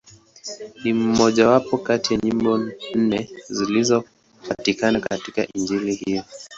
Ni mmojawapo kati ya nyimbo nne zinazopatikana katika Injili hiyo.